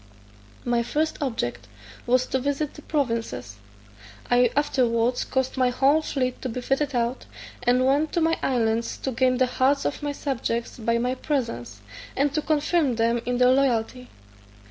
My first object was to visit the provinces: I afterwards caused my whole fleet to be fitted out, and went to my islands to gain the hearts of my subjects by my presence, and to confirm them in their loyalty.